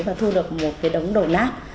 và thu được một cái đống đổi nát